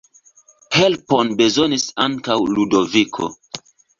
Helpon bezonis ankaŭ Ludoviko.